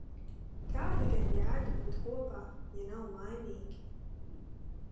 Kāda gan jēga būt kopā, ja nav laimīgi?